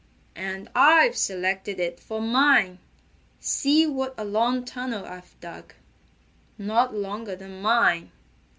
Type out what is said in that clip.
"And I've selected it for mine. See what a long tunnel I've dug." "Not longer than mine."